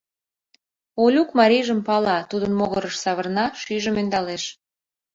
Олюк марийжым пала, тудын могырыш савырна, шӱйжым ӧндалеш.